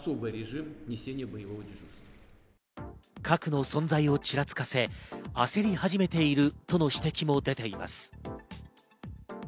核の存在をちらつかせ焦り始めているとの指摘も出ています。